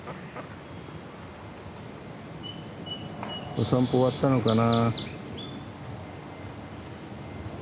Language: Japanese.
お散歩終わったのかな。